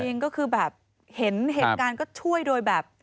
จริงก็คือแบบเห็นเหตุการณ์ก็ช่วยโดยแบบ